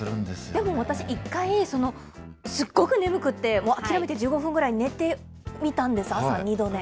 でも私、一回、すっごく眠くて、諦めて１５分ぐらい寝てみたんです、朝、二度寝。